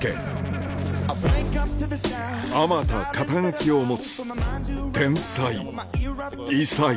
あまた肩書を持つ天才偉才